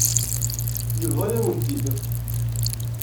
Yebḍa-yawen-t-id.